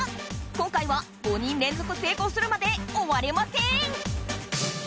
今回は５人連続成功するまでおわれません！